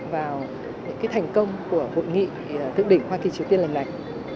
vào những thành công của hội nghị thượng đỉnh hoa kỳ triều tiên lần này